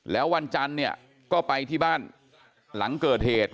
แล้ววันจันทร์เนี่ยก็ไปที่บ้านหลังเกิดเหตุ